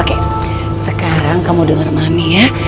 oke sekarang kamu denger mami ya